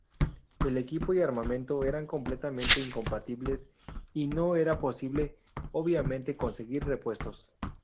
El equipo y armamento eran completamente incompatibles y no era posible, obviamente, conseguir repuestos.